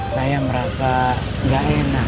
saya merasa gak enak